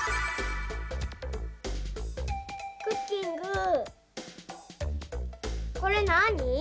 クッキングこれなに？